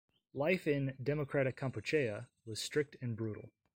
Life in 'Democratic Kampuchea' was strict and brutal.